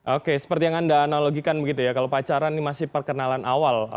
oke seperti yang anda analogikan begitu ya kalau pacaran ini masih perkenalan awal